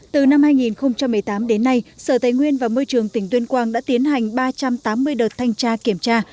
từ năm hai nghìn một mươi tám đến nay sở tây nguyên và môi trường tỉnh tuyên quang đã tiến hành ba trăm tám mươi đợt thanh tra kiểm tra